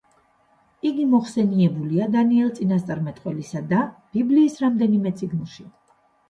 იგი მოხსენიებულია დანიელ წინასწარმეტყველისა და ბიბლიის რამდენიმე წიგნში.